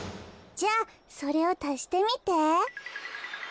じゃあそれをたしてみて。